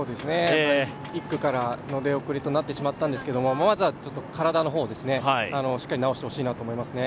１区からの出遅れとなってしまったんですけどまずは体の方をしっかり治してほしいなと思いますね。